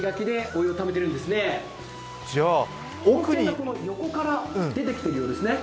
温泉がこの横から出てきているようですね。